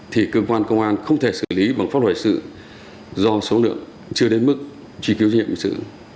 thì cơ quan công an không thể xử lý bằng pháp loại sự do số lượng chưa đến mức trì cứu nhiệm sự